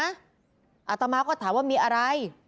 อาตมาก็ถามว่ามีอะไร